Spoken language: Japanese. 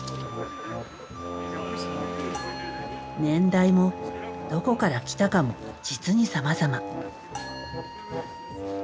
年代もどこから来たかも実にさまざま。